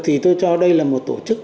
thì tôi cho đây là một tổ chức